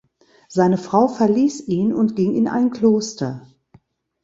Seine Frau verließ ihn und ging in ein Kloster.